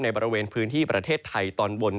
บริเวณพื้นที่ประเทศไทยตอนบน